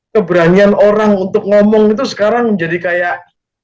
keberanian orang untuk ngomong itu sekarang menjadi kayak